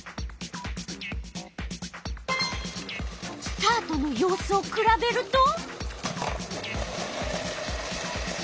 スタートの様子をくらべると？